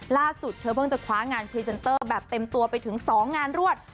ล่าสุดเธอเพิ่งจะคว้างานพรีเซนเตอร์แบบเต็มตัวไปถึง๒งานรวด